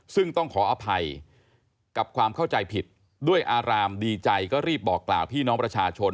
ซึ่งต้องขออภัยกับความเข้าใจผิดด้วยอารามดีใจก็รีบบอกกล่าวพี่น้องประชาชน